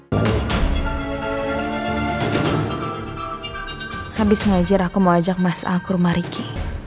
habis ngajir aku mau ajak mas alkur mariki